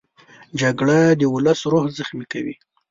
جګړه د ولس روح زخمي کوي